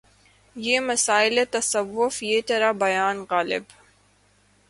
یہ مسائل تصوف یہ ترا بیان غالبؔ